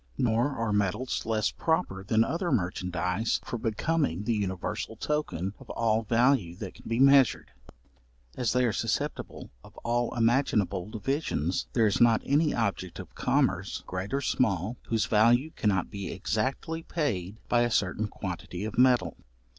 Nor are metals less proper than other merchandize for becoming the universal token of all value that can be measured: as they are susceptible of all imaginable divisions, there is not any object of commerce, great or small, whose value cannot be exactly paid by a certain quantity of metal.